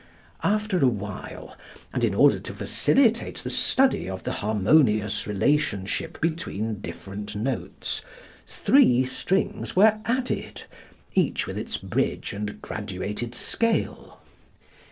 After a while, and in order to facilitate the study of the harmonious relationship between different notes, three strings were added, each with its bridge and graduated scale.